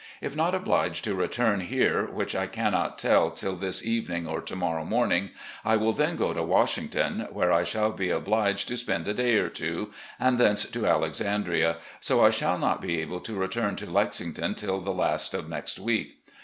If not obliged to return here, which I cannot tell till this evening or to morrow morning, I will then go to Wash ington, where I shall be obliged to spend a day or two, and thence to Alexandria, so I shall not be able to return to Lexington till the last of next week.